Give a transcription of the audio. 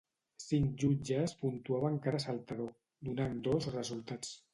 Cinc jutges puntuaven cada saltador, donant dos resultats.